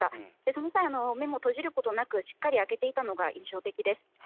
その際、目も閉じることなく、しっかり開けていたのが印象的です。